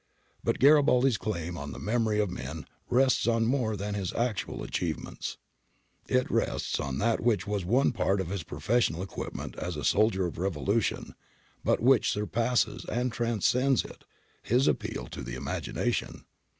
But Garibaldi's claim on the memory of men rests on more than his actual achievements. It rests on that which was one part of his professional equipment as a soldier of revolution, but which surpasses and transcends it — his appeal to the imagination.